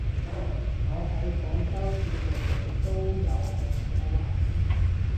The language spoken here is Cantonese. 我喺廣州見過嘅都有好有壞